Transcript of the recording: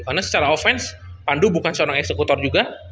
karena secara offense pandu bukan seorang eksekutor juga